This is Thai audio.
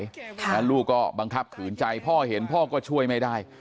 แล้วลูกก็บังคับขืนใจพ่อเห็นพ่อก็ช่วยไม่ได้